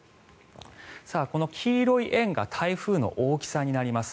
この黄色い円が台風の大きさになります。